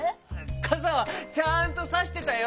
かさはちゃんとさしてたよ！